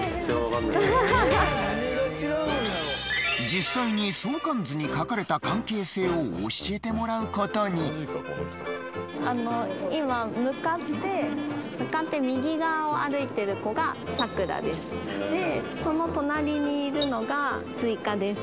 実際に相関図に書かれた関係性を教えてもらうことに今向かって右側を歩いている子がさくらですでその隣にいるのがスイカです